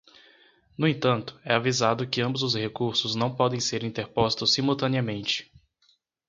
No entanto, é avisado que ambos os recursos não podem ser interpostos simultaneamente.